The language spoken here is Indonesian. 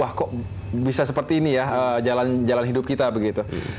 wah kok bisa seperti ini ya jalan hidup kita begitu